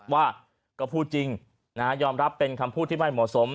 ว่าก็พูดจริงยอมรับเป็นคำพูดที่ไม่เหมาะสม